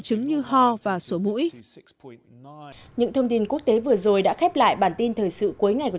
chứng như ho và số mũi những thông tin quốc tế vừa rồi đã khép lại bản tin thời sự cuối ngày của